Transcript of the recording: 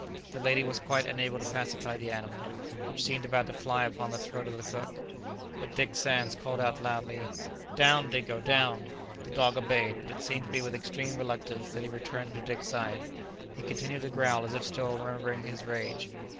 The lady was quite unable to pacify the animal, which seemed about to fly upon the throat of the cook, but Dick Sands called out loudly, "Down, Dingo, down!" The dog obeyed; but it seemed to be with extreme reluctance that he returned to Dick's side; he continued to growl, as if still remembering his rage.